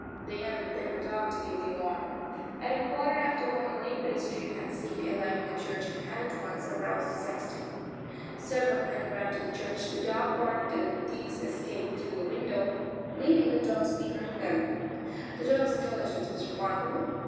They had with them a dog to give the alarm. At a quarter after one, a late pedestrian had seen a light in the church and had at once aroused the sexton. Several men ran to the church; the dog barked and the thieves escaped through the window, leaving the dog behind them. The dog's intelligence was remarkable.